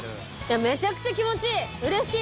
めちゃくちゃ気持ちいいうれしい。